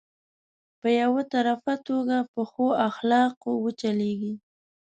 په يو طرفه توګه په ښو اخلاقو وچلېږي.